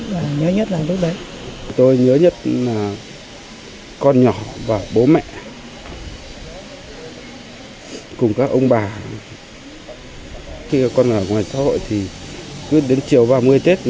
khi con ở ngoài xã hội thì đến chiều ba mươi tết